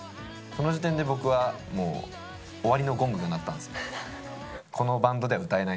その時点で、僕はもう終わりのゴングが鳴ったんですよ。